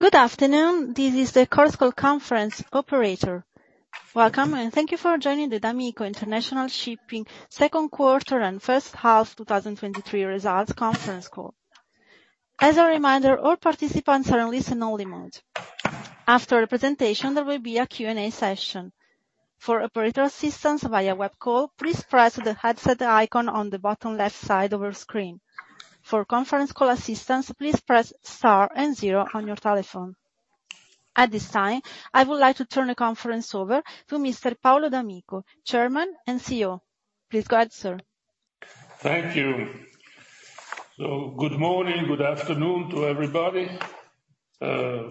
Good afternoon, this is the Chorus Call Conference operator. Welcome. Thank you for joining the d'Amico International Shipping Second Quarter and First Half, 2023 Results Conference Call. As a reminder, all participants are in listen only mode. After the presentation, there will be a Q&A session. For operator assistance via web call, please press the headset icon on the bottom left side of your screen. For conference call assistance, please press star and zero on your telephone. At this time, I would like to turn the conference over to Mr. Paolo d'Amico, Chairman and CEO. Please go ahead, sir. Thank you. Good morning, good afternoon to everybody.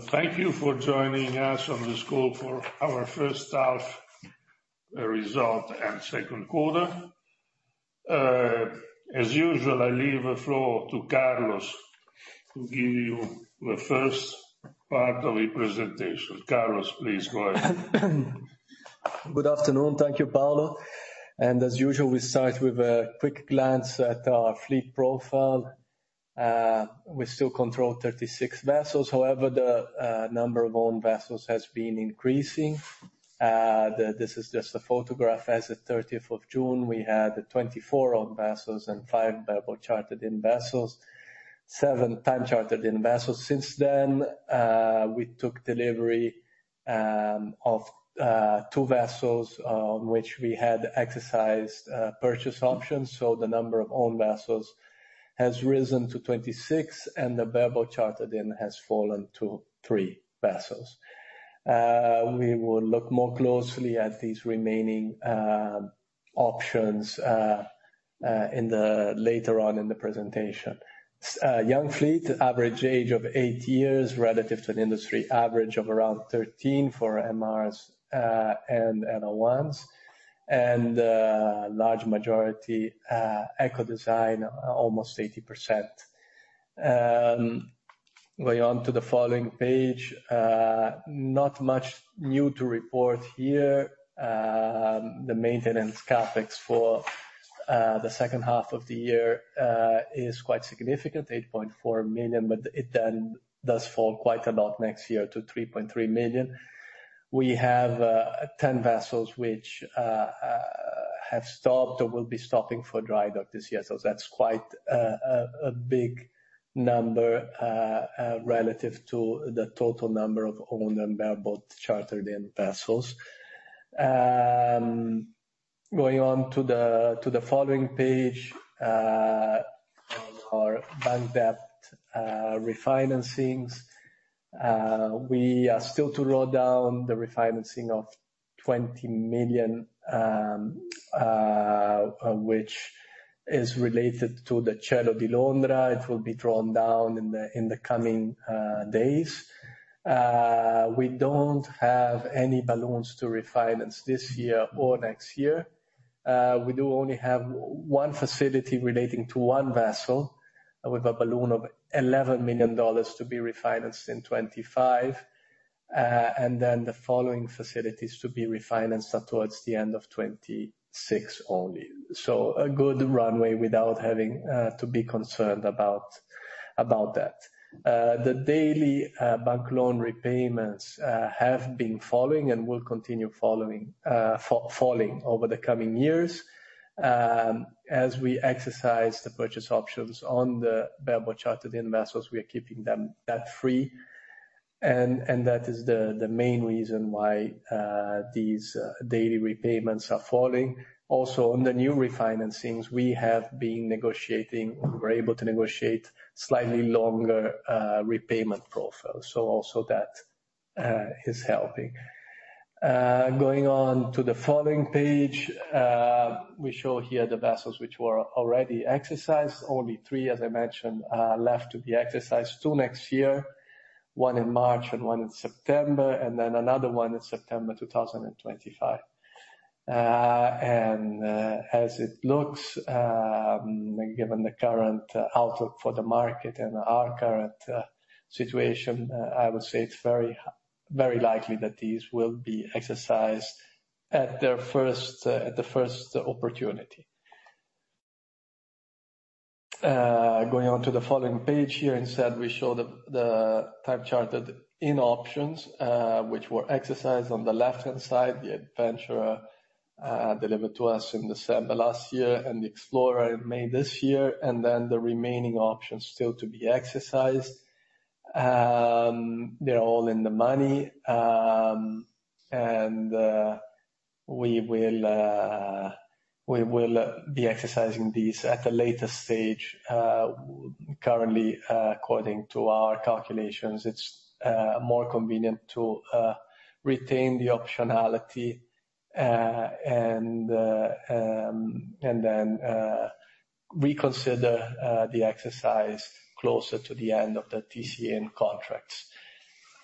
Thank you for joining us on this call for our first half result and second quarter. As usual, I leave the floor to Carlos to give you the first part of the presentation. Carlos, please go ahead. Good afternoon. Thank you, Paolo. As usual, we start with a quick glance at our fleet profile. We still control 36 vessels. However, the number of owned vessels has been increasing. This is just a photograph. As at 13th of June, we had 24 owned vessels and five bareboat chartered-in vessels, seven-time chartered-in vessels. Since then, we took delivery of two vessels on which we had exercised purchase options. The number of owned vessels has risen to 26, and the bareboat chartered-in has fallen to three vessels. We will look more closely at these remaining options later on in the presentation. Young fleet, average age of eight years, relative to an industry average of around 13 for MRs and LR1s. A large majority, Eco-design, almost 80%. Going on to the following page, not much new to report here. The maintenance CapEx for the second half of the year is quite significant, $8.4 million, it then does fall quite a lot next year to $3.3 million. We have 10 vessels which have stopped or will be stopping for dry dock this year. That's quite a big number relative to the total number of owned and bareboat chartered-in vessels. Going on to the following page, our bank debt refinancings. We are still to draw down the refinancing of $20 million which is related to the Cielo di Londra. It will be drawn down in the coming days. We don't have any balloons to refinance this year or next year. We do only have one facility relating to one vessel, with a balloon of $11 million to be refinanced in 2025, and then the following facilities to be refinanced towards the end of 2026 only. A good runway without having to be concerned about that. The daily bank loan repayments have been falling and will continue falling over the coming years. As we exercise the purchase options on the bareboat chartered-in vessels, we are keeping them debt-free, and that is the main reason why these daily repayments are falling. Also, on the new refinancings we have been negotiating, we're able to negotiate slightly longer repayment profiles, so also that is helping. Going on to the following page, we show here the vessels which were already exercised. Only three years, as I mentioned, are left to be exercised. Two next year, one in March and one in September, and then another one in September 2025. As it looks, given the current outlook for the market and our current situation, I would say it's very likely that these will be exercised at the first opportunity. Going on to the following page here, instead, we show the time chartered-in options which were exercised on the left-hand side, the Adventurer, delivered to us in December last year, and the Explorer in May this year, and then the remaining options still to be exercised. They're all in the money. We will be exercising these at a later stage. Currently, according to our calculations, it's more convenient to retain the optionality and reconsider the exercise closer to the end of the TC-in contracts.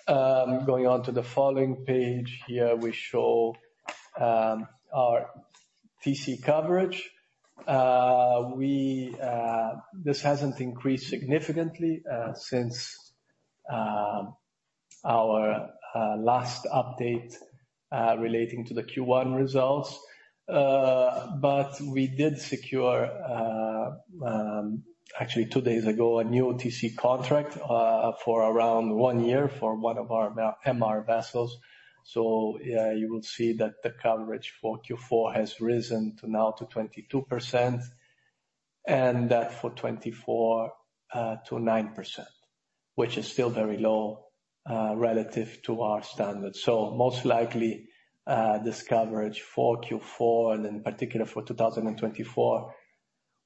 Going on to the following page, here we show our TC coverage. This hasn't increased significantly since our last update relating to the Q1 results. We did secure, actually two days ago, a new TC contract for around one year for one of our MR vessels. You will see that the coverage for Q4 has risen to now to 22%, and for 2024 to 9%, which is still very low relative to our standards. Most likely, this coverage for Q4 and in particular for 2024,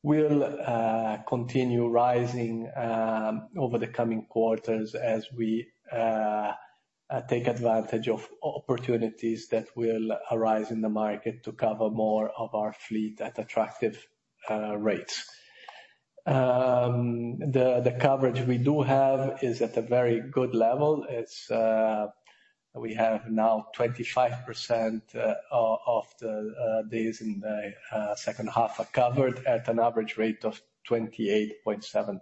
will continue rising over the coming quarters as we take advantage of opportunities that will arise in the market to cover more of our fleet at attractive rates. The coverage we do have is at a very good level. We have now 25% of the days in the second half are covered at an average rate of $28,700.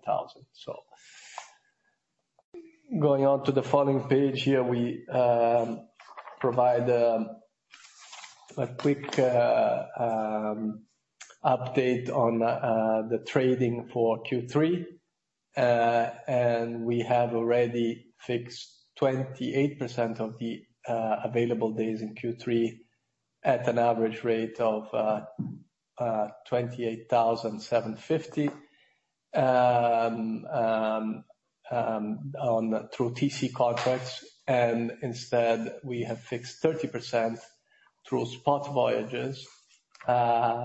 Going on to the following page here, we provide a quick update on the trading for Q3. We have already fixed 28% of the available days in Q3, at an average rate of $28,750. On through TC contracts, instead, we have fixed 30% through spot voyages at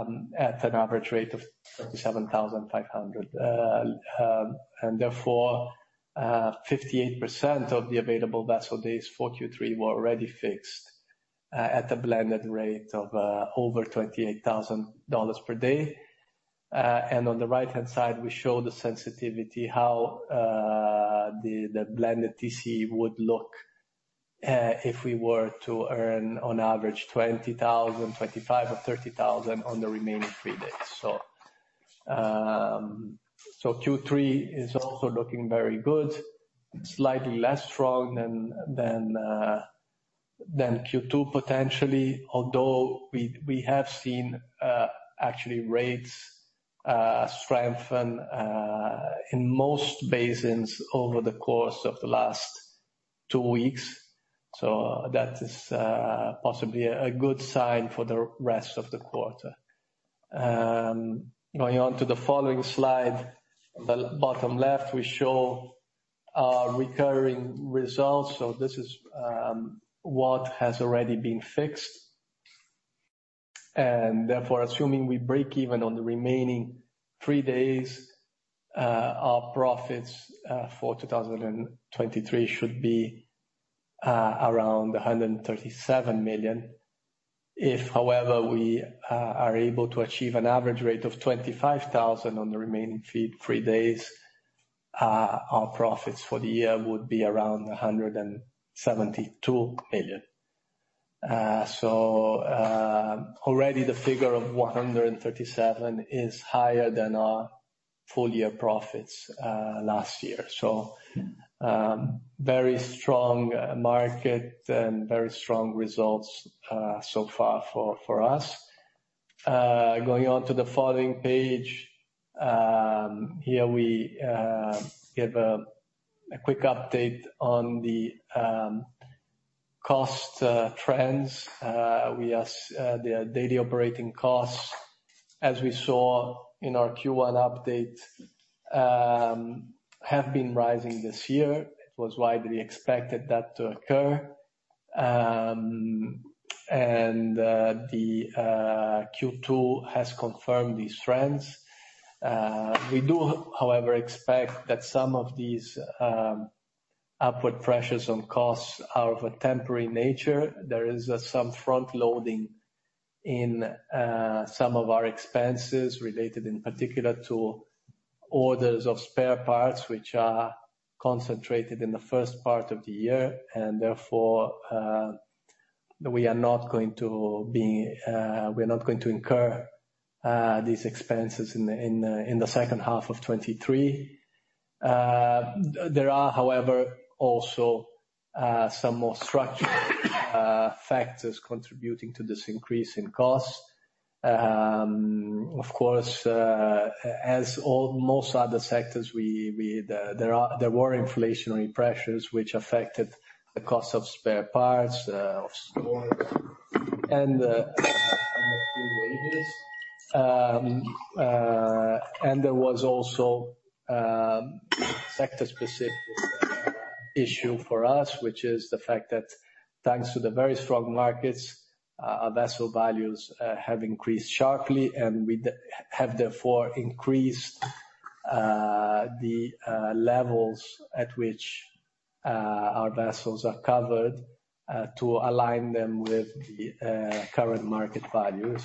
an average rate of $37,500. And therefore, 58% of the available vessel days for Q3 were already fixed at a blended rate of over $28,000 per day. And on the right-hand side, we show the sensitivity, how the blended TC would look if we were to earn on average $20,000, $25,000 or $30,000 on the remaining three days. So Q3 is also looking very good, slightly less strong than than Q2, potentially, although we have seen actually rates strengthen in most basins over the course of the last two weeks. That is possibly a good sign for the rest of the quarter. Going on to the following slide. The bottom left, we show recurring results. This is what has already been fixed. Therefore, assuming we break even on the remaining three days, our profits for 2023 should be around $137 million. If, however, we are able to achieve an average rate of $25,000 on the remaining three days, our profits for the year would be around $172 million. Already the figure of $137 million is higher than our full year profits last year. Very strong market and very strong results so far for us. Going on to the following page. Here we give a quick update on the cost trends. The daily operating costs, as we saw in our Q1 update, have been rising this year. It was widely expected that to occur. The Q2 has confirmed these trends. We do, however, expect that some of these upward pressures on costs are of a temporary nature. There is some front loading in some of our expenses related in particular to orders of spare parts, which are concentrated in the first part of the year, and therefore, we are not going to be, we are not going to incur these expenses in the second half of 2023. There are, however, also some more structural factors contributing to this increase in costs. Of course, as all, most other sectors, we there were inflationary pressures which affected the cost of spare parts, of stores and wages. And there was also sector-specific issue for us, which is the fact that thanks to the very strong markets, our vessel values have increased sharply, and we have therefore increased the levels at which our vessels are covered to align them with the current market values.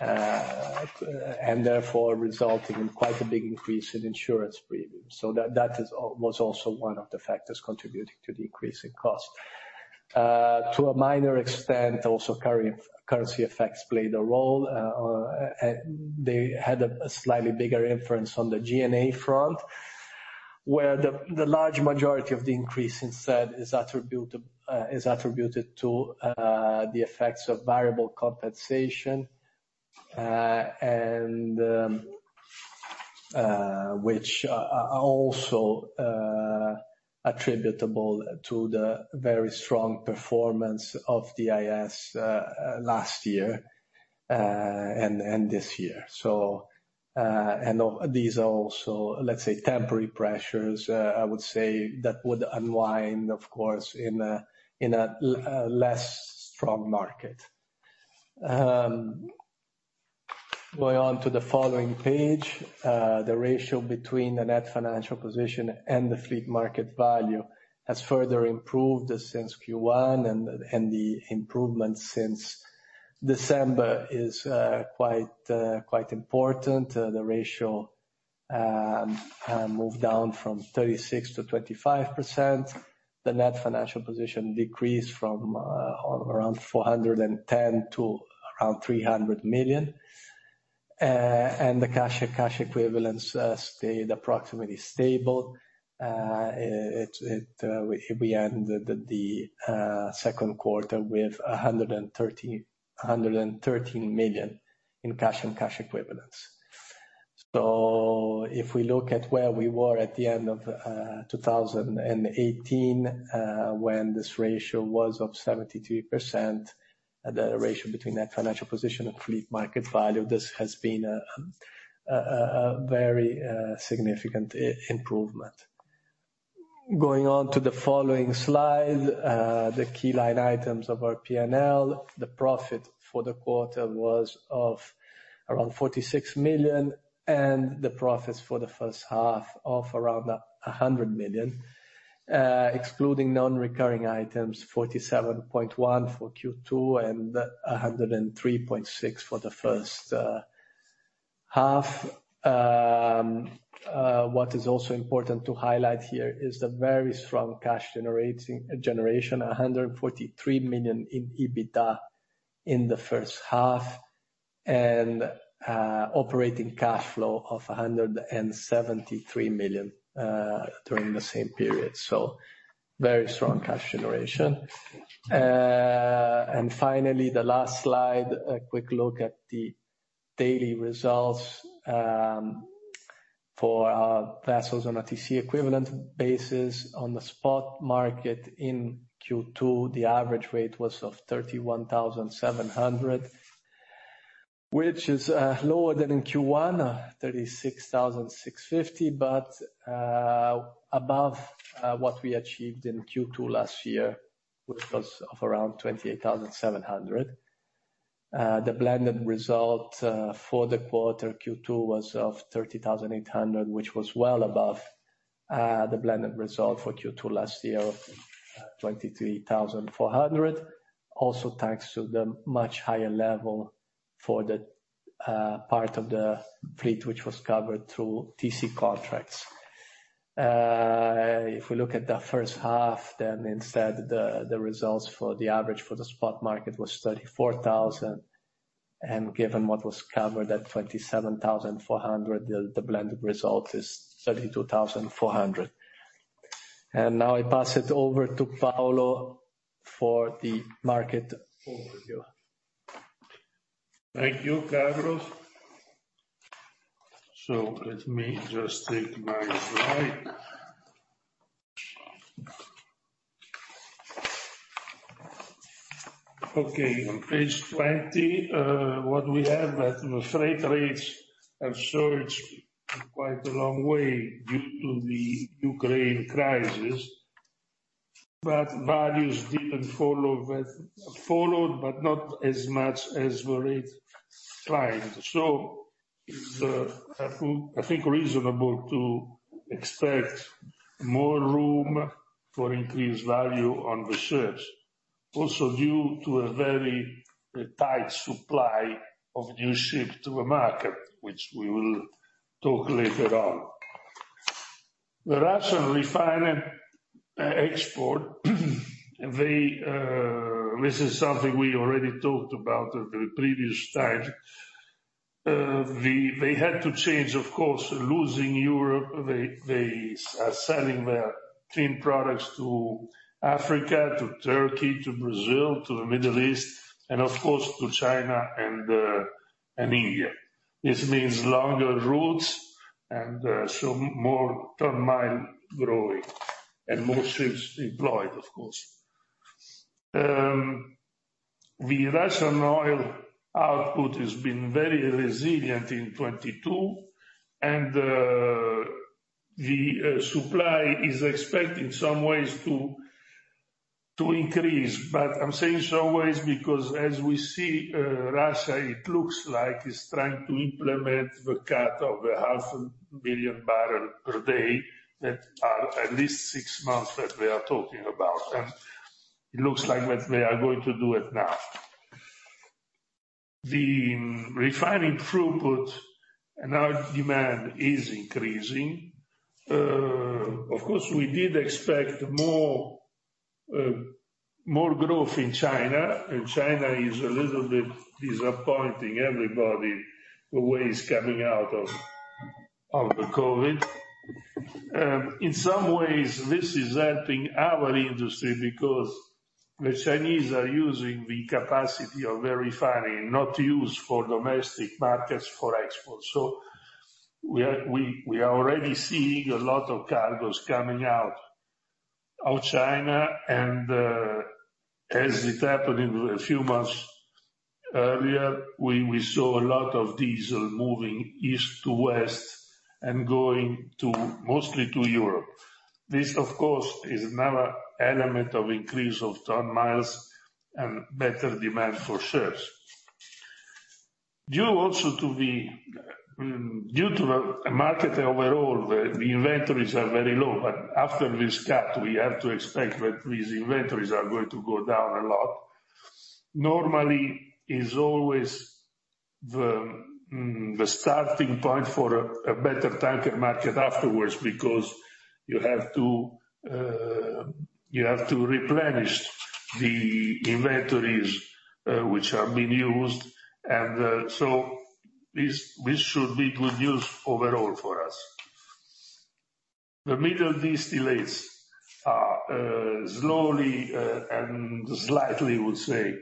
And therefore, resulting in quite a big increase in insurance premiums. That is was also one of the factors contributing to the increase in cost. To a minor extent, also currency effects played a role, and they had a slightly bigger influence on the G&A front. Where the large majority of the increase instead is attributed to the effects of variable compensation. Which are also attributable to the very strong performance of the IS last year and this year. All these are also, let's say, temporary pressures, I would say, that would unwind, of course, in a less strong market. Going on to the following page, the ratio between the net financial position and the fleet market value has further improved since Q1, and the improvement since December is quite important. The ratio moved down from 36% to 25%. The net financial position decreased from around $410 million to around $300 million. The cash and cash equivalents stayed approximately stable. We ended the second quarter with $113 million in cash and cash equivalents. If we look at where we were at the end of 2018, when this ratio was of 72%, the ratio between net financial position and fleet market value, this has been a very significant improvement. Going on to the following slide, the key line items of our P&L. The profit for the quarter was of around $46 million, and the profits for the first half of around $100 million. Excluding non-recurring items, $47.1 million for Q2 and $103.6 million for the first half. What is also important to highlight here is the very strong cash generation, $143 million in EBITDA in the first half, operating cash flow of $173 million during the same period. Very strong cash generation. Finally, the last slide, a quick look at the daily results for our vessels on a TC equivalent basis. On the spot market in Q2, the average rate was of $31,700, which is lower than in Q1, $36,650, but above what we achieved in Q2 last year, which was of around $28,700. The blended result for the quarter Q2 was of $30,800, which was well above the blended result for Q2 last year of $23,400. Thanks to the much higher level for the part of the fleet, which was covered through TC contracts. If we look at the first half, instead, the results for the average for the spot market was $34,000, and given what was covered at $27,400, the blended result is $32,400. Now I pass it over to Paolo for the market overview. Thank you, Carlos. Let me just take my slide. Okay, on Page 20, what we have is the freight rates have surged quite a long way due to the Ukraine crisis, but values didn't follow. Followed, but not as much as the rate climbed. It's, I think, reasonable to expect more room for increased value on the ships. Also, due to a very tight supply of new ship to the market, which we will talk later on. The Russian refining export, this is something we already talked about at the previous time. They had to change, of course, losing Europe, they are selling their clean products to Africa, to Turkey, to Brazil, to the Middle East, and of course, to China and India. This means longer routes, and so more ton-mile growing, and more ships employed, of course. The Russian oil output has been very resilient in 2022, and the supply is expected in some ways to increase. I'm saying some ways, because as we see, Russia, it looks like it's trying to implement the cut of 500,000 bbl per day, that are at least six months that we are talking about, and it looks like that they are going to do it now. The refining throughput and our demand is increasing. Of course, we did expect more growth in China is a little bit disappointing everybody, the way it's coming out of the COVID. In some ways, this is helping our industry because the Chinese are using the capacity of the refinery not used for domestic markets, for export. We are already seeing a lot of cargos coming out of China, and as it happened in a few months earlier, we saw a lot of diesel moving east to west and going to, mostly to Europe. This, of course, is another element of increase of ton miles and better demand for ships. Due also to the market overall, the inventories are very low, but after this cut, we have to expect that these inventories are going to go down a lot. Normally, is always the starting point for a better tanker market afterwards, because you have to replenish the inventories which have been used. So this should be good news overall for us. The middle distillates are slowly and slightly, I would say,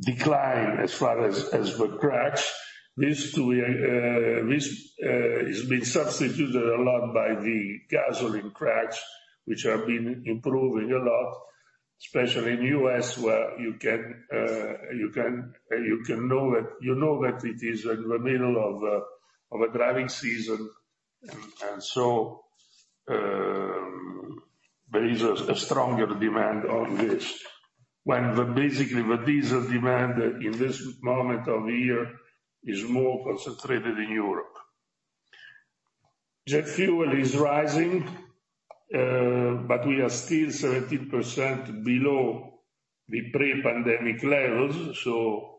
decline as far as the crack. This to this is being substituted a lot by the gasoline crack, which have been improving a lot, especially in U.S., where you can know that. You know that it is in the middle of a driving season. So there is a stronger demand on this, when basically, the diesel demand in this moment of the year is more concentrated in Europe. Jet fuel is rising, but we are still 13% below the pre-pandemic levels, so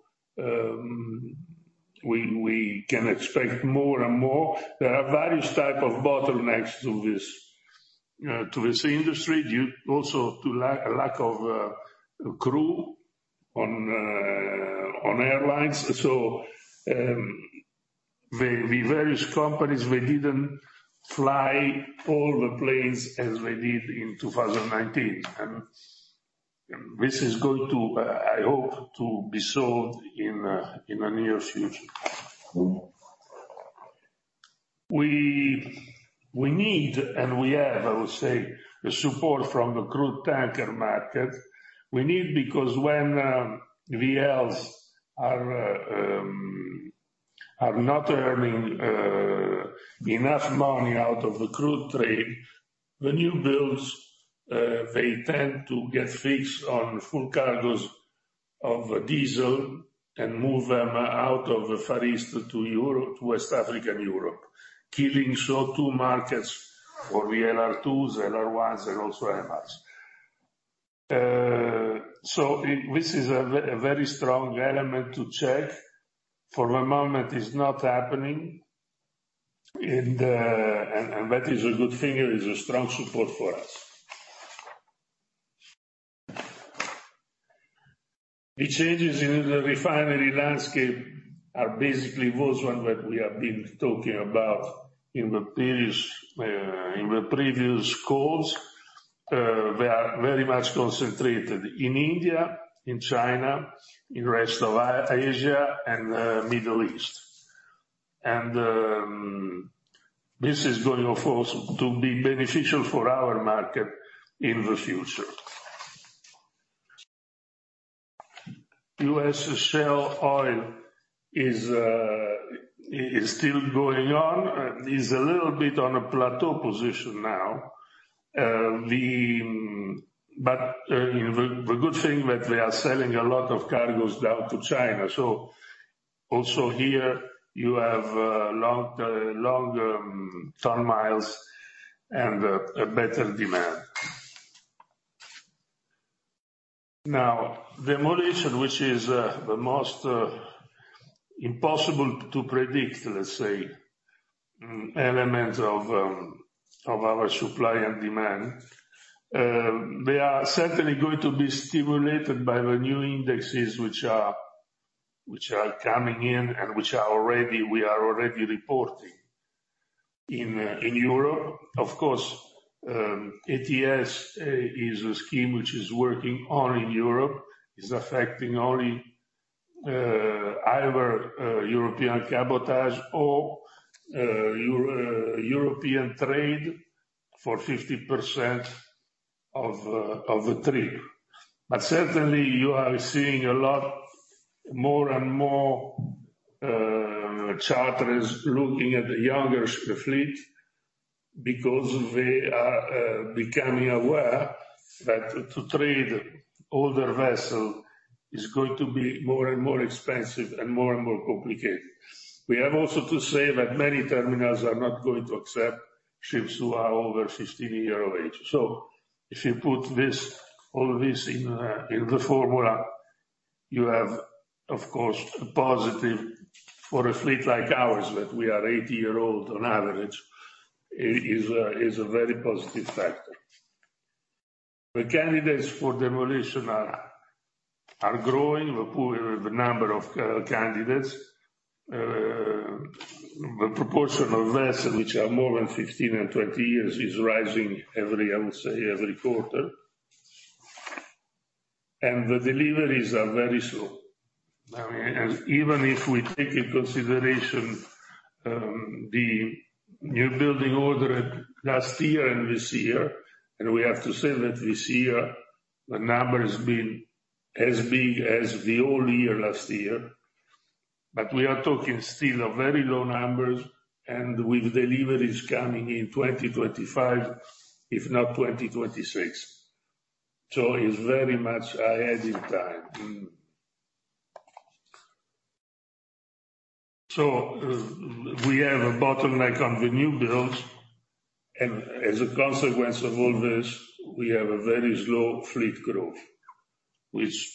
we can expect more and more. There are various type of bottlenecks to this, to this industry, due also to lack of crew on airlines. The various companies, they didn't fly all the planes as they did in 2019. This is going to, I hope, to be solved in the near future. We need, and we have, I would say, the support from the crude tanker market. We need because when VLs are not earning enough money out of the crude trade, the new builds, they tend to get fixed on full cargos of diesel and move them out of the Far East to Europe, to West Africa and Europe, killing so two markets for LR2, LR1s, and also MRs. This is a very strong element to check. For the moment, it's not happening, and that is a good thing. It is a strong support for us. The changes in the refinery landscape are basically those one that we have been talking about in the previous calls. They are very much concentrated in India, in China, in rest of Asia, and Middle East. This is going of course, to be beneficial for our market in the future. US shale oil is still going on, is a little bit on a plateau position now. The good thing, that they are selling a lot of cargos down to China, so also here you have long ton-miles and a better demand. Now, the moderation which is the most impossible to predict elements of our supply and demand, they are certainly going to be stimulated by the new indexes, which are coming in and which we are already reporting. In Europe, of course, ETS is a scheme which is working only in Europe, is affecting only either European cabotage or European trade for 50% of the trade. But certainly, you are seeing a lot, more and more, charters looking at the younger ship fleet because they are becoming aware that to trade older vessel is going to be more and more expensive, and more and more complicated We have also to say that many terminals are not going to accept ships who are over 15 years of age. If you put this, all this in the formula, you have, of course, a positive for a fleet like ours, that we are eight years old on average, is a, is a very positive factor. The candidates for demolition are growing, the pool, the number of candidates. The proportion of vessels which are more than 15 and 20 years is rising, I would say, every quarter. The deliveries are very slow. I mean, even if we take into consideration, the new building order last year and this year, we have to say that this year the number has been as big as the whole year, last year. We are talking still of very low numbers and with deliveries coming in 2025, if not 2026. It's very much ahead in time. We have a bottleneck on the new builds, and as a consequence of all this, we have a very slow fleet growth, which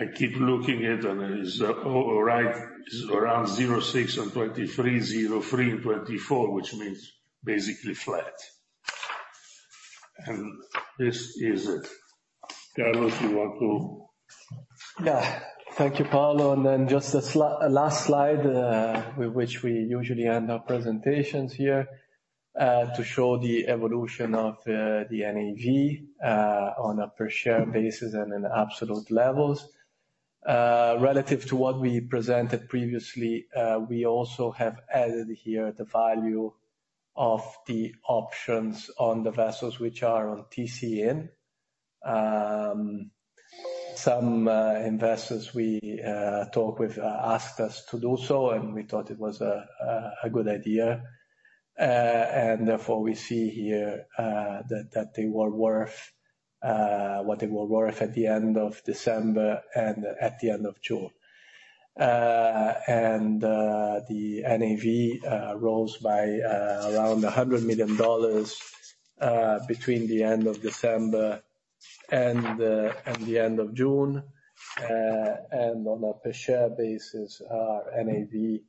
I keep looking at, and it's all right, is around 0.6 and 2023, 0.3 and 2024, which means basically flat. This is it. Carlos, you want to- Thank you, Paolo. Just a last slide, with which we usually end our presentations here, to show the evolution of the NAV on a per share basis and in absolute levels. Relative to what we presented previously, we also have added here the value of the options on the vessels which are on TC-in. Some investors we talk with asked us to do so, and we thought it was a good idea. Therefore, we see here that they were worth what they were worth at the end of December and at the end of June. The NAV rose by around $100 million between the end of December and the end of June. On a per share basis, our NAV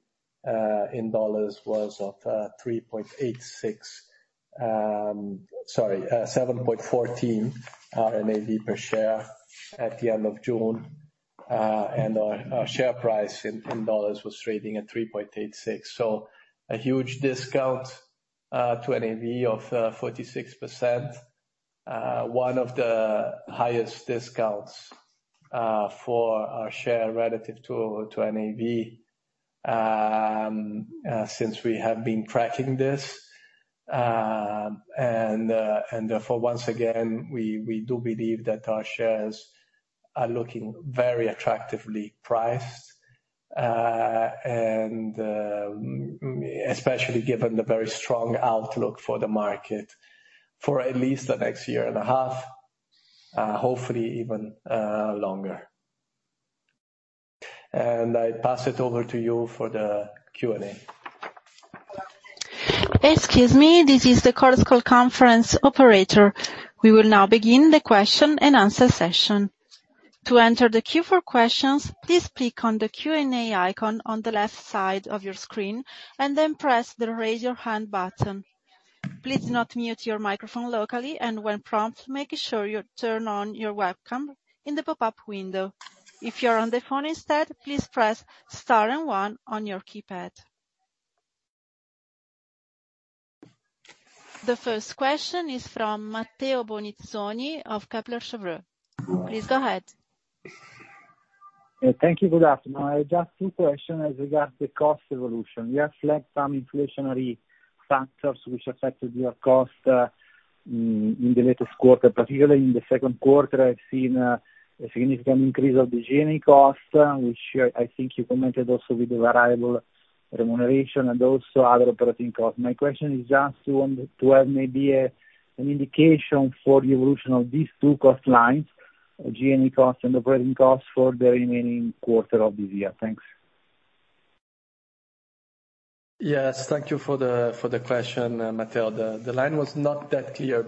in dollars was of $3.86, sorry, $7.14 NAV per share at the end of June. Our share price in dollars was trading at $3.86. A huge discount to NAV of 46%. One of the highest discounts for our share relative to NAV since we have been tracking this. Therefore, once again, we do believe that our shares are looking very attractively priced. Especially given the very strong outlook for the market for at least the next year and a half, hopefully even longer. I pass it over to you for the Q&A. Excuse me, this is the Chorus Call Conference operator. We will now begin the question-and-answer session. To enter the queue for questions, please click on the Q&A icon on the left side of your screen and then press the Raise Your Hand button. Please do not mute your microphone locally, and when prompt, make sure you turn on your webcam in the pop-up window. If you're on the phone instead, please press star and one on your keypad. The first question is from Matteo Bonizzoni of Kepler Cheuvreux. Please go ahead. Thank you. Good afternoon. I just two question as regards the cost evolution. You have flagged some inflationary factors which affected your cost in the latest quarter, particularly in the second quarter, I've seen a significant increase of the G&A costs, which I think you commented also with the variable remuneration and also other operating costs. My question is just to have maybe a, an indication for the evolution of these two cost lines, G&A costs and operating costs, for the remaining quarter of this year. Thanks. Yes, thank you for the question, Matteo. The line was not that clear.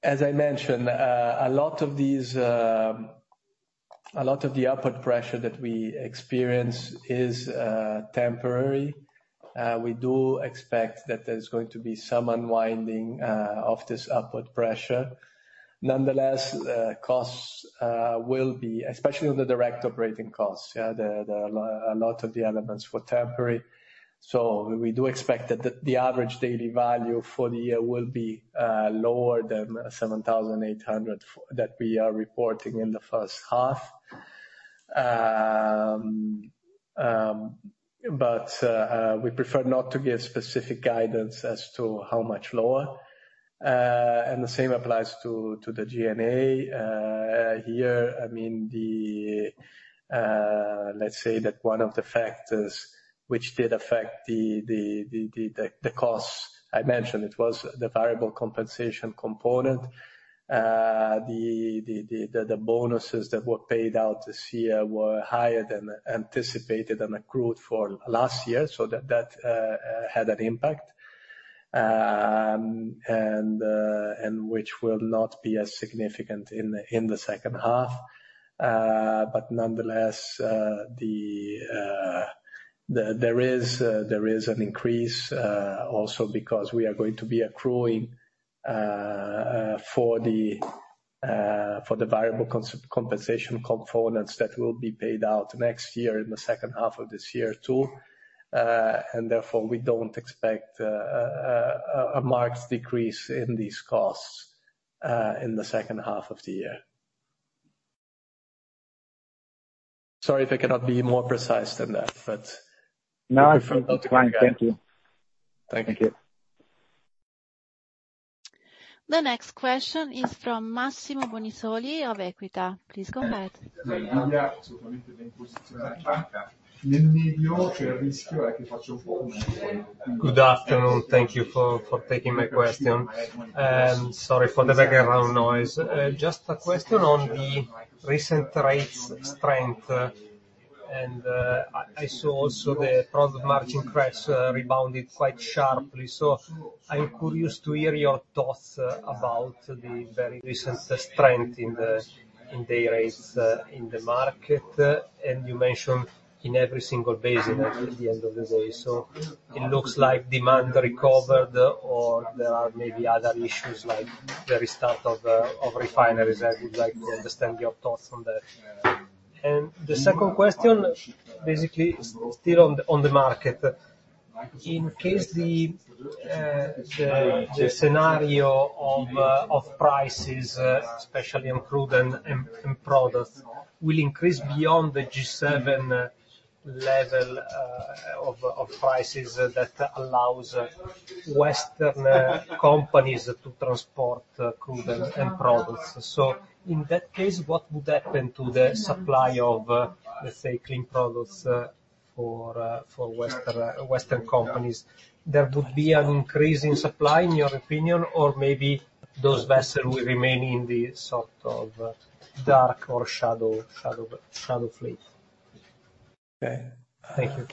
As I mentioned, a lot of the upward pressure that we experience is temporary. We do expect that there's going to be some unwinding of this upward pressure. Nonetheless, the costs will be, especially on the direct operating costs, a lot of the elements were temporary. We do expect that the average daily value for the year will be lower than 7,800 that we are reporting in the first half. We prefer not to give specific guidance as to how much lower. The same applies to the G&A. Here, I mean, let's say that one of the factors which did affect the costs, I mentioned, it was the variable compensation component. The bonuses that were paid out this year were higher than anticipated and accrued for last year. That had an impact. Which will not be as significant in the second half. Nonetheless, there is an increase also because we are going to be accruing for the compensation components that will be paid out next year, in the second half of this year, too. Therefore, we don't expect a marked decrease in these costs in the second half of the year. Sorry if I cannot be more precise than that, but-. No, it's fine. Thank you. Thank you. Thank you. The next question is from Massimo Bonisoli of Equita. Please go ahead. Good afternoon. Thank you for taking my question. Sorry for the background noise. Just a question on the recent rates strength, and I saw also the product margin press rebounded quite sharply. I'm curious to hear your thoughts about the very recent strength in the rates in the market. You mentioned in every single basin, at the end of the day, it looks like demand recovered, or there are maybe other issues like the restart of refineries. I would like to understand your thoughts on that. The second question, basically, still on the market. In case the scenario of prices, especially in crude and products, will increase beyond the G7 level of prices that allows Western companies to transport crude and products. In that case, what would happen to the supply of, let's say, clean products, for Western companies? There would be an increase in supply, in your opinion, or maybe those vessels will remain in the sort of, dark or shadow fleet? Okay. Thank you.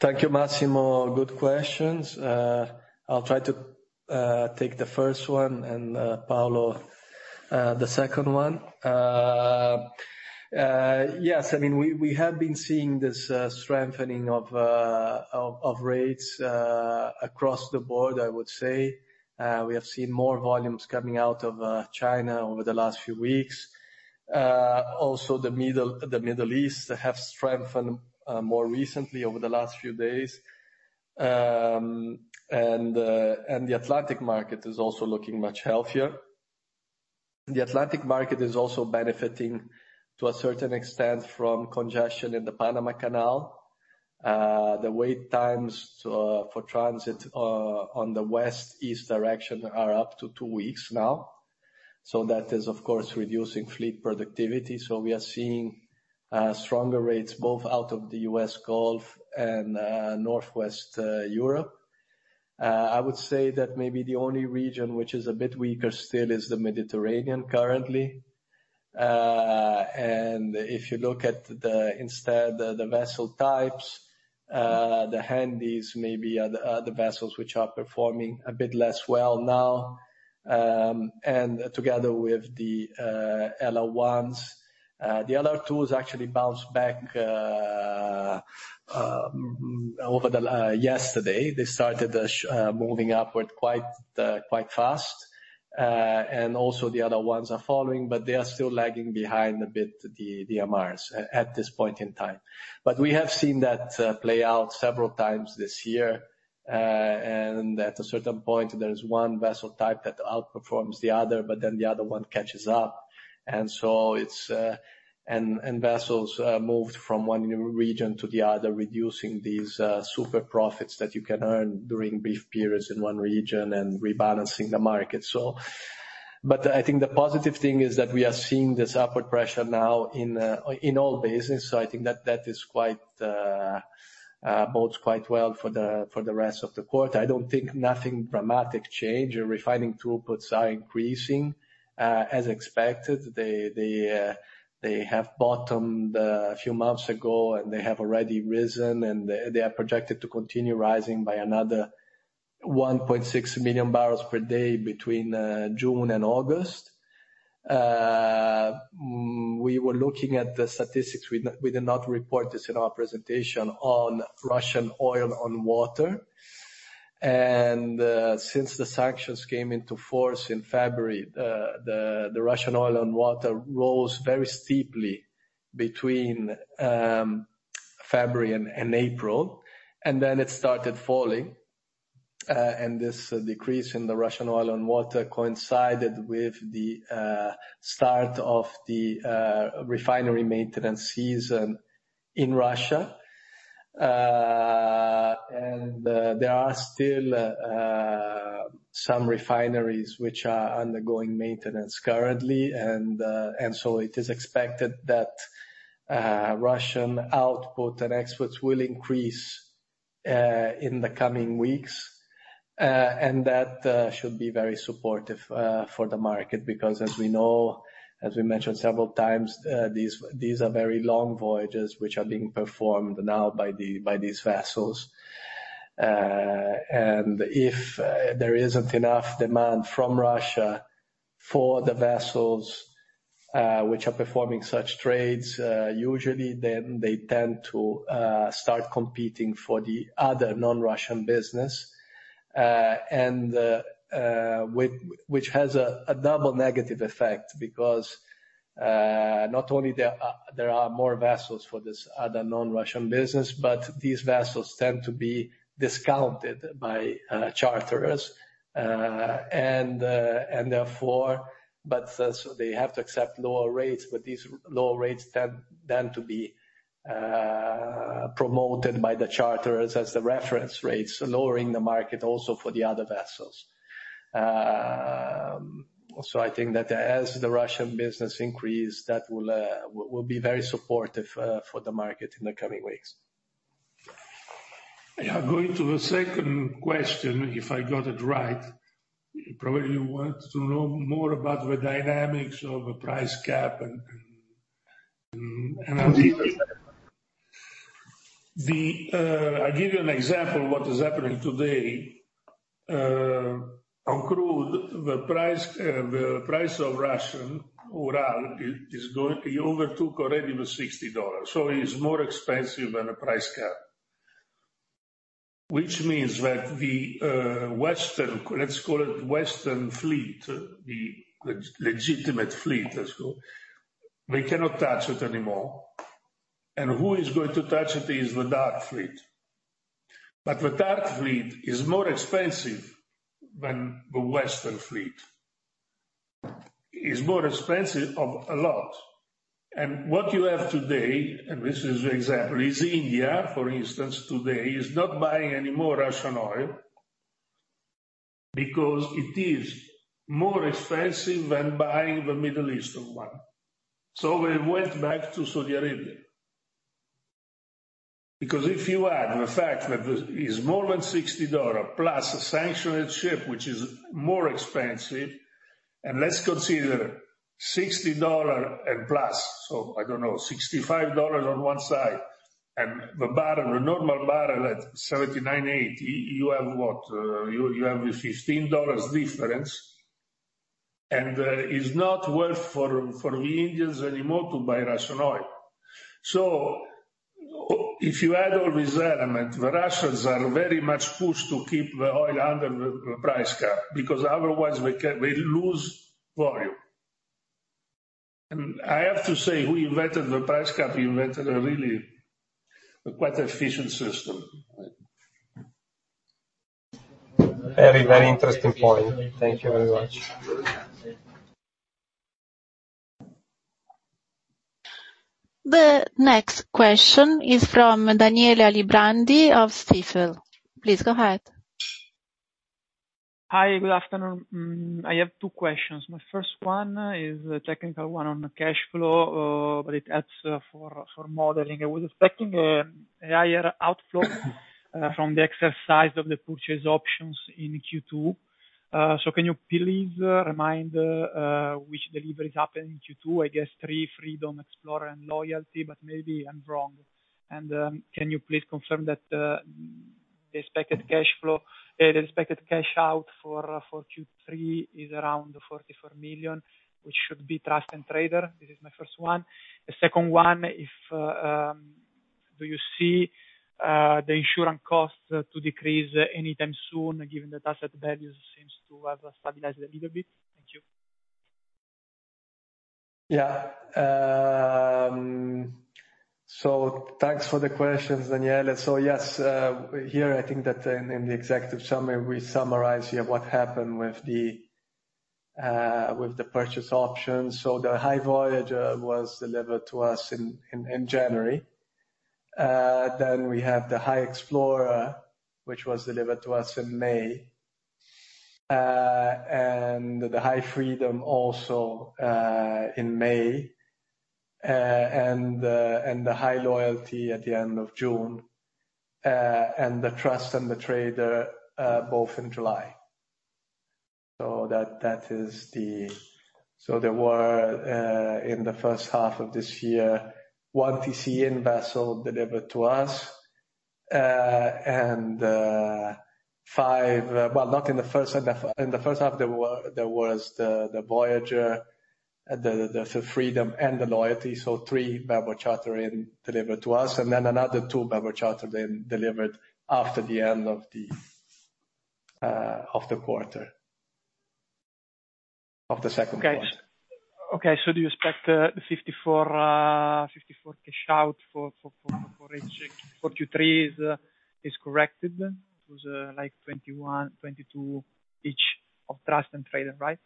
Thank you, Massimo. Good questions. I'll try to take the first one, and Paolo, the second one. Yes, I mean, we have been seeing this strengthening of rates across the board, I would say. We have seen more volumes coming out of China over the last few weeks. Also the Middle East have strengthened more recently over the last few days. The Atlantic market is also looking much healthier. The Atlantic market is also benefiting, to a certain extent, from congestion in the Panama Canal. The wait times for transit on the west-east direction are up to two weeks now, so that is, of course, reducing fleet productivity. We are seeing stronger rates both out of the U.S. Gulf and Northwest Europe. I would say that maybe the only region which is a bit weaker still is the Mediterranean, currently. If you look at the, instead, the vessel types, the Handys maybe are the vessels which are performing a bit less well now, and together with the LR1s. The other two is actually bounced back over yesterday. They started moving upward quite fast. Also the other ones are following, but they are still lagging behind a bit, the MRs, at this point in time. We have seen that play out several times this year, and at a certain point, there is one vessel type that outperforms the other, but then the other one catches up. Vessels moved from one region to the other, reducing these super profits that you can earn during brief periods in one region and rebalancing the market. I think the positive thing is that we are seeing this upward pressure now in all basins, so I think that that is quite bodes quite well for the rest of the quarter. I don't think nothing dramatic change. Refining throughputs are increasing as expected. They have bottomed a few months ago, and they have already risen, and they are projected to continue rising by another 1.6 million bbl per day between June and August. We were looking at the statistics, we did not report this in our presentation, on Russian oil on water. Since the sanctions came into force in February, the Russian oil on water rose very steeply between February and April, and then it started falling. This decrease in the Russian oil on water coincided with the start of the refinery maintenance season in Russia. There are still some refineries which are undergoing maintenance currently, and so it is expected that Russian output and exports will increase in the coming weeks. That should be very supportive for the market, because as we know, as we mentioned several times, these are very long voyages which are being performed now by these vessels. If there isn't enough demand from Russia for the vessels, which are performing such trades, usually then they tend to start competing for the other non-Russian business. Which has a double negative effect, because not only there are more vessels for this other non-Russian business, but these vessels tend to be discounted by charterers. Therefore, but so they have to accept lower rates, but these lower rates tend then to be promoted by the charterers as the reference rates, lowering the market also for the other vessels. I think that as the Russian business increase, that will be very supportive for the market in the coming weeks. Yeah, going to the second question, if I got it right, you probably want to know more about the dynamics of the price cap and I'll give you an example of what is happening today. On crude, the price of Russian Urals is going. It overtook already the $60. It is more expensive than the price cap. Which means that the Western, let's call it Western fleet, the legitimate fleet, let's go, they cannot touch it anymore. Who is going to touch it is the dark fleet. The dark fleet is more expensive than the Western fleet. Is more expensive of a lot. What you have today, and this is the example, is India, for instance, today, is not buying any more Russian oil because it is more expensive than buying the Middle Eastern one. They went back to Saudi Arabia. Because if you add the fact that this is more than $60, plus a sanctioned ship, which is more expensive, and let's consider $60 and plus, so I don't know, $65 on one side, and the barrel, the normal barrel at $79-$80, you have what? You have a $15 difference, and it's not worth for the Indians anymore to buy Russian oil. If you add all these elements, the Russians are very much pushed to keep the oil under the price cap, because otherwise they lose volume. I have to say, who invented the price cap, invented a really, quite efficient system. Very, very interesting point. Thank you very much. The next question is from Daniele Alibrandi of Stifel. Please go ahead. Hi, good afternoon. I have two questions. My first one is a technical one on the cash flow, but it adds for modeling. I was expecting a higher outflow from the exercise of the purchase options in Q2. Can you please remind which deliveries happened in Q2? I guess three, Freedom, Explorer, and Loyalty, but maybe I'm wrong. Can you please confirm that the expected cash flow, the expected cash out for Q3 is around $44 million, which should be Trust and Trader. This is my first one. The second one, Do you see the insurance costs to decrease anytime soon, given that asset values seems to have stabilized a little bit? Thank you. Thanks for the questions, Daniele. Yes, here, I think that in the executive summary, we summarize here what happened with the purchase options. The High Voyager was delivered to us in January. Then we have the High Explorer, which was delivered to us in May, and the High Freedom also in May, and the High Loyalty at the end of June. And the Trust and the Trader, both in July. There were in the first half of this year, one TCE in vessel delivered to us, and five, well, not in the first half. In the first half, there were the Voyager, the Freedom and the Loyalty. Three bareboat chartered-in delivered to us, and then another two bareboat chartered-in then delivered after the end of the quarter, of the second quarter. Okay. Okay, so do you expect the $54 cash out for Q3 is corrected to like $21, $22 each of Trust and Trader, right?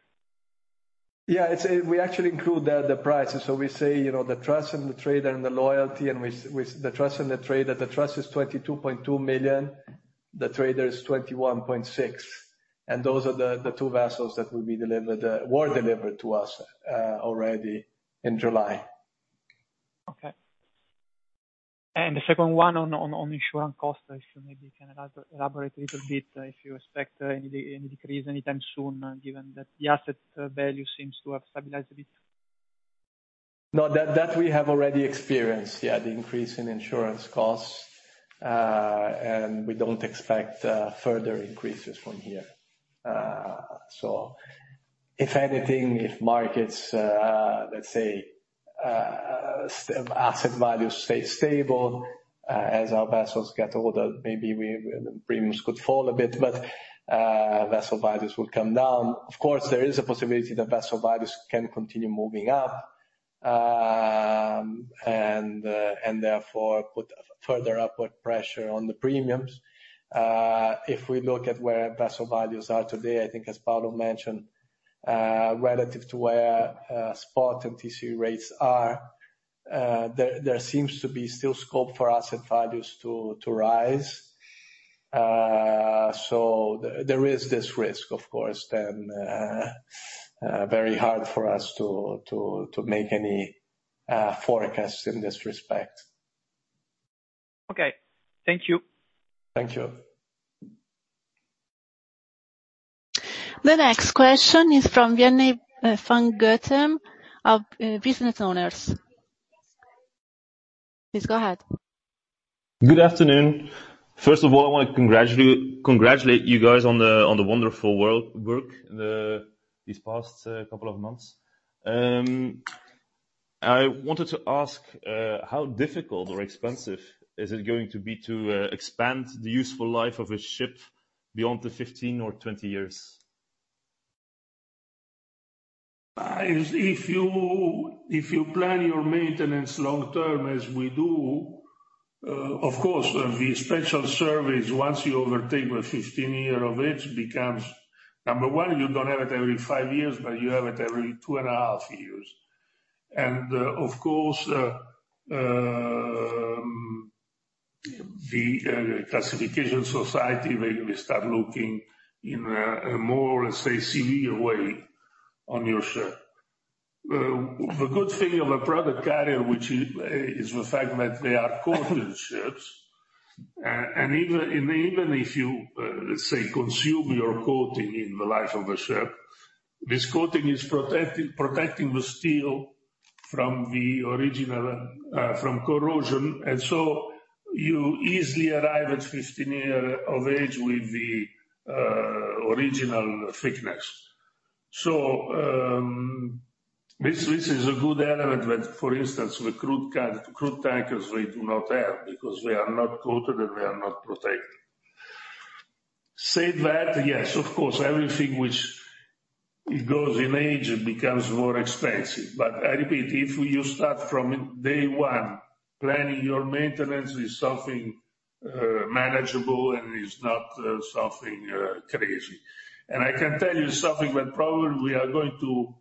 Yeah. We actually include the price. We say, you know, the High Trust and the High Trader and the High Loyalty, and we, the High Trust and the High Trader, the High Trust is $22.2 million, the High Trader is $21.6 million. Those are the two vessels that will be delivered, were delivered to us already in July. Okay. The second one on insurance costs, if you maybe can elaborate a little bit, if you expect any decrease anytime soon, given that the asset value seems to have stabilized a bit? No, that we have already experienced, yeah, the increase in insurance costs, and we don't expect further increases from here. If anything, if markets, let's say, asset values stay stable, as our vessels get older, maybe premiums could fall a bit, but vessel values will come down. Of course, there is a possibility the vessel values can continue moving up, and therefore put further upward pressure on the premiums. If we look at where vessel values are today, I think as Paolo mentioned, relative to where spot and TC rates are, there seems to be still scope for asset values to rise. So there is this risk, of course, then, very hard for us to make any forecasts in this respect. Okay. Thank you. Thank you. The next question is from Yoni Van Gucht of Business Owners. Please go ahead. Good afternoon. First of all, I want to congratulate you guys on the wonderful world work in these past couple of months. I wanted to ask how difficult or expensive is it going to be to expand the useful life of a ship beyond the 15 or 20 years? If you plan your maintenance long term, as we do, of course, the Special Survey, once you overtake the 15 year of age, becomes number one, you don't have it every five years, but you have it every two and a half years. Of course, the classification society, they will start looking in a more, let's say, severe way on your ship. The good thing of a product carrier, which is the fact that they are coated ships. Even if you, let's say, consume your coating in the life of a ship, this coating is protecting the steel from the original, from corrosion, so you easily arrive at 15 year of age with the original thickness. This, this is a good element, but for instance, with crude tankers, we do not have, because they are not coated, and they are not protected. Say that, yes, of course, everything which it goes in age, it becomes more expensive. I repeat, if you start from day one, planning your maintenance is something manageable and is not something crazy. I can tell you something that probably we are going to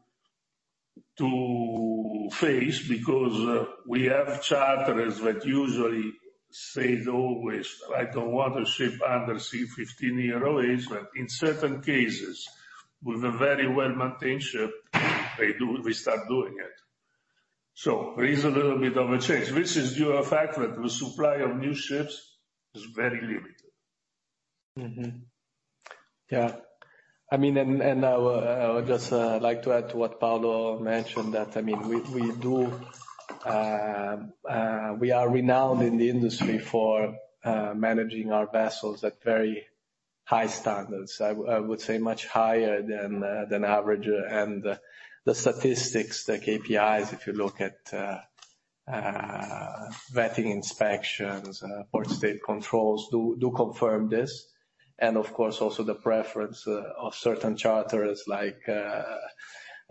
face because we have charters that usually say always, "I don't want a ship under, say, 15 year old," but in certain cases, with a very well-maintained ship, they do, we start doing it. There is a little bit of a change, which is due to the fact that the supply of new ships is very limited. I mean, I would just like to add to what Paolo mentioned, I mean, we do, we are renowned in the industry for managing our vessels at very high standards. I would say much higher than average. The statistics, the KPIs, if you look at vetting inspections, port state control, confirm this. Of course, also the preference of certain charters, like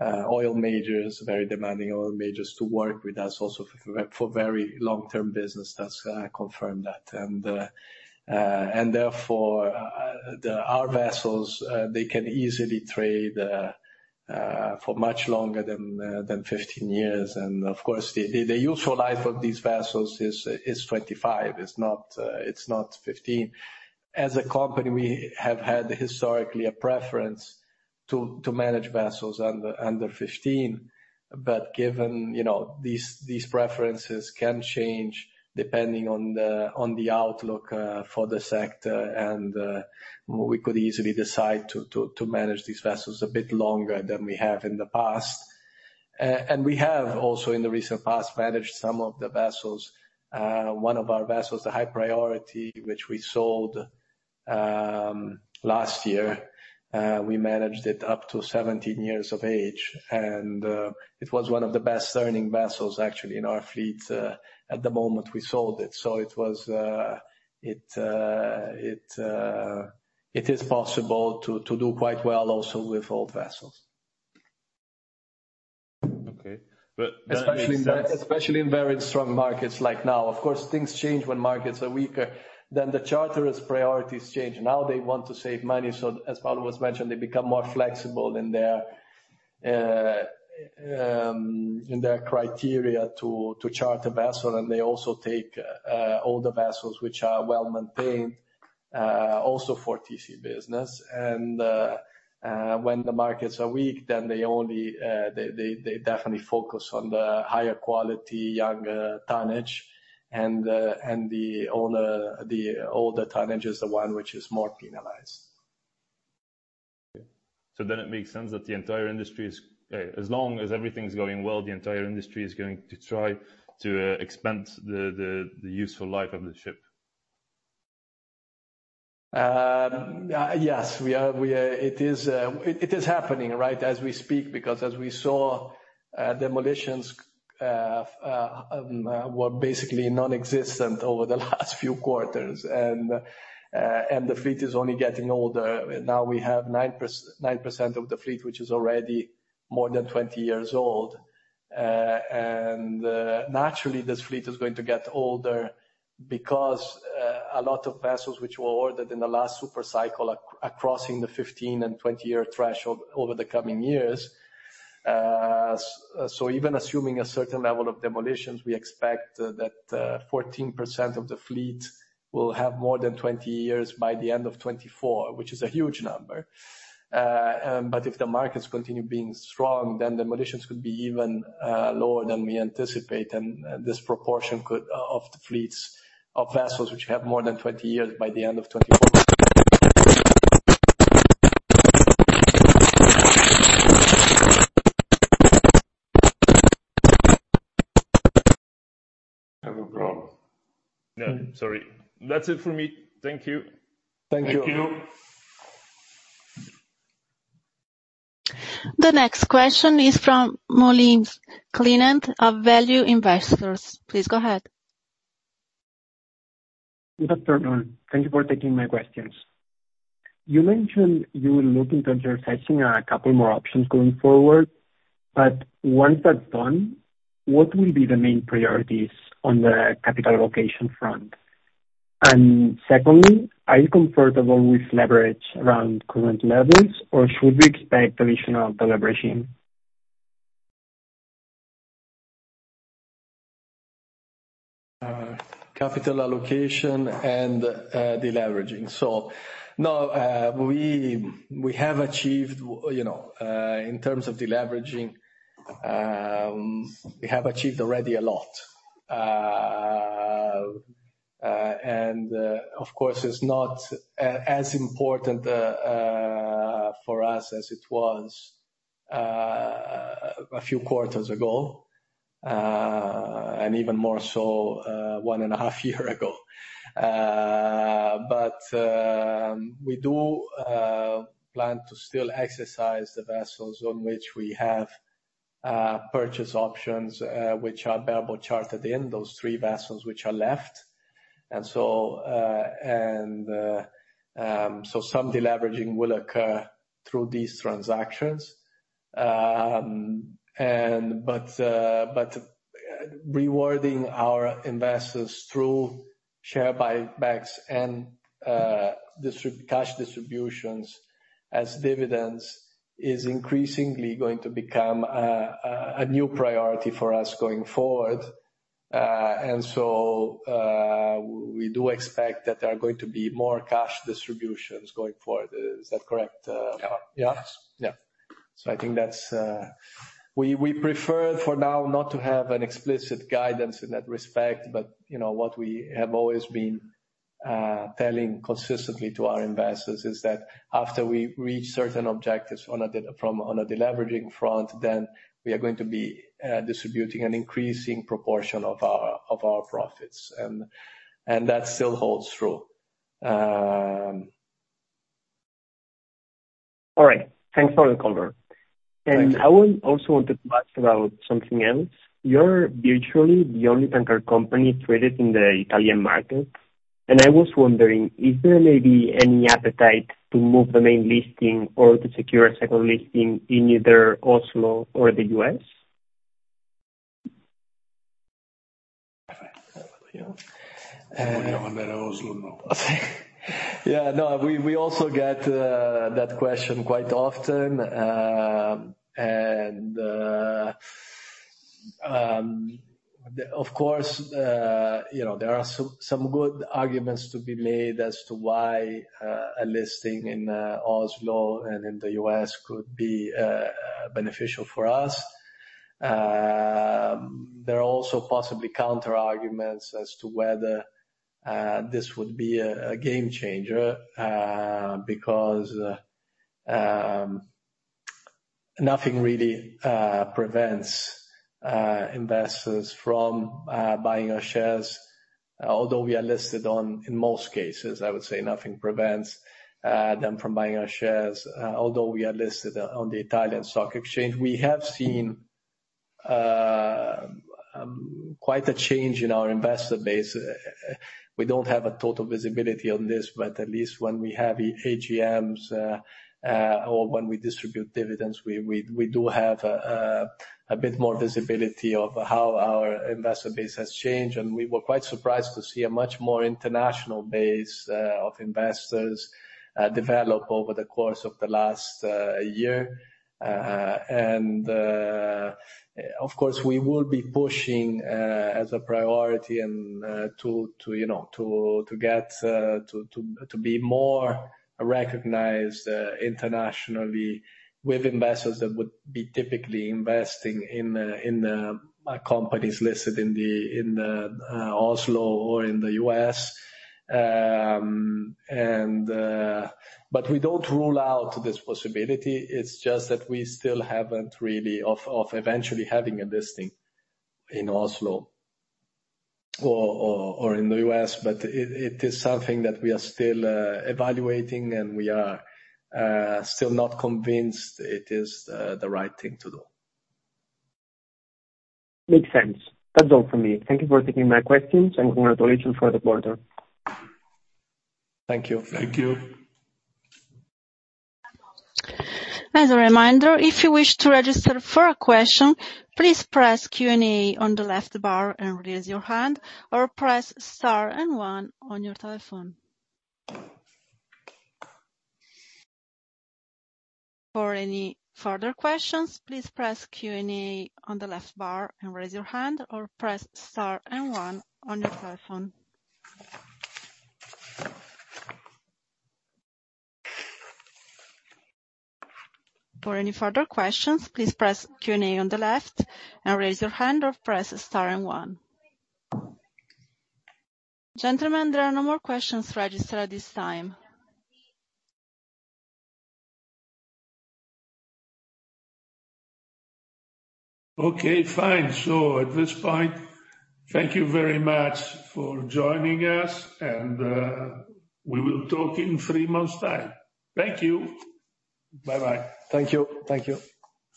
oil majors, very demanding oil majors to work with us also for very long-term business, that's confirmed that. Therefore, our vessels, they can easily trade for much longer than 15 years. Of course, the useful life of these vessels is 25. It's not 15. As a company, we have had historically a preference to manage vessels under 15, given, you know, these preferences can change depending on the outlook for the sector, and we could easily decide to manage these vessels a bit longer than we have in the past. We have also, in the recent past, managed some of the vessels. One of our vessels, the High Priority, which we sold last year, we managed it up to 17 years of age, and it was one of the best earning vessels, actually, in our fleet, at the moment we sold it. It is possible to do quite well also with old vessels. Okay. Especially in very strong markets like now. Of course, things change when markets are weaker, then the charter's priorities change. Now they want to save money, so as Paolo has mentioned, they become more flexible in their criteria to chart a vessel, and they also take older vessels, which are well-maintained, also for TC business. When the markets are weak, then they only, they definitely focus on the higher quality, younger tonnage, and the owner, the older tonnage is the one which is more penalized. It makes sense that the entire industry is, as long as everything's going well, the entire industry is going to try to expand the useful life of the ship. Yes, we are. It is happening, right, as we speak, because as we saw, demolitions were basically non-existent over the last few quarters, and the fleet is only getting older. Now we have 9% of the fleet, which is already more than 20 years old. Naturally, this fleet is going to get older because a lot of vessels which were ordered in the last super cycle are crossing the 15 and 20-year threshold over the coming years. Even assuming a certain level of demolitions, we expect that 14% of the fleet will have more than 20 years by the end of 2024, which is a huge number. If the markets continue being strong, then demolitions could be even lower than we anticipate, and this proportion could of the fleets, of vessels, which have more than 20 years by the end of 2024. Have a problem. Yeah. Sorry. That's it for me. Thank you. Thank you. Thank you. The next question is from Molins Climent of Value Investors. Please go ahead. Good afternoon. Thank you for taking my questions. You mentioned you were looking towards your fetching a couple more options going forward. Once that's done, what will be the main priorities on the capital allocation front? Secondly, are you comfortable with leverage around current levels, or should we expect additional deleveraging? Capital allocation and deleveraging. No, we have achieved, you know, in terms of deleveraging, we have achieved already a lot. Of course, it's not as important for us as it was a few quarters ago, and even more so, one and a half year ago. We do plan to still exercise the vessels on which we have purchase options, which are bareboat chartered-in those three vessels which are left. Some deleveraging will occur through these transactions. But rewarding our investors through share buybacks and cash distributions as dividends, is increasingly going to become a new priority for us going forward. We do expect that there are going to be more cash distributions going forward. Is that correct? Yeah. Yeah. Yeah. I think that's... We prefer for now not to have an explicit guidance in that respect, but, you know, what we have always been telling consistently to our investors is that after we reach certain objectives on a deleveraging front, then we are going to be distributing an increasing proportion of our profits. That still holds true. All right. Thanks for the cover. Thank you. I would also want to ask about something else. You're virtually the only tanker company traded in the Italian market, and I was wondering, is there maybe any appetite to move the main listing or to secure a second listing in either Oslo or the U.S.? Yeah, no, we also get that question quite often. You know, there are some good arguments to be made as to why a listing in Oslo and in the U.S. could be beneficial for us. There are also possibly counterarguments as to whether this would be a game changer, because nothing really prevents investors from buying our shares, although we are listed on. In most cases, I would say nothing prevents them from buying our shares. Although we are listed on the Italian Stock Exchange. We have seen quite a change in our investor base. We don't have a total visibility on this, but at least when we have AGMs or when we distribute dividends, we do have a bit more visibility of how our investor base has changed. We were quite surprised to see a much more international base of investors develop over the course of the last year. Of course, we will be pushing as a priority and to, you know, to get to be more recognized internationally with investors that would be typically investing in companies listed in Oslo or in the U.S. We don't rule out this possibility. It's just that we still haven't really of eventually having a listing in Oslo or in the U.S. It is something that we are still evaluating, and we are still not convinced it is the right thing to do. Makes sense. That's all for me. Thank you for taking my questions, and congratulations for the quarter. Thank you. Thank you. As a reminder, if you wish to register for a question, please press Q&A on the left bar and raise your hand, or press star and one on your telephone. For any further questions, please press Q&A on the left bar and raise your hand, or press star and one on your telephone. For any further questions, please press Q&A on the left and raise your hand or press star and one. Gentlemen, there are no more questions registered at this time. Okay, fine. At this point, thank you very much for joining us, and we will talk in three months' time. Thank you. Bye-bye. Thank you. Thank you.